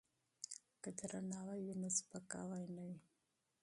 که درناوی وي نو سپکاوی نه وي.